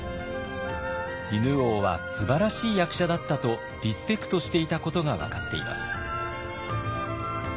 犬王はすばらしい役者だったとリスペクトしていたことが分かっています。